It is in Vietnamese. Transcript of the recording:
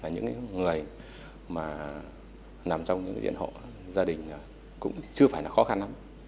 những người mà nằm trong những diện hộ gia đình cũng chưa phải là khó khăn lắm